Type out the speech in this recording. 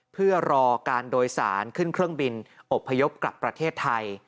เพื่อรอการโดยสารขึ้นเครื่องบินอบพยพกลับประเทศไทย